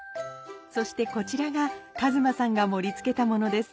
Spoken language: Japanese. そしてこちらが和馬さんが盛り付けたものです。